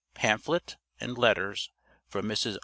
PAMPHLET, AND LETTERS FROM MRS.